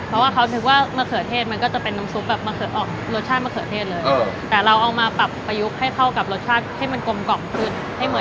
เพราะว่าเขาถือว่ามะเขือเทศมันก็จะเป็นน้ำซุปแบบอ๋อรสชาติมะเขือเทศเลย